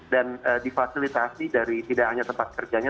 dan difasilitasi dari tidak hanya tempat kerjanya